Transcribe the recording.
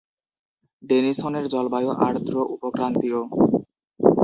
ডেনিসনের জলবায়ু আর্দ্র উপক্রান্তীয়।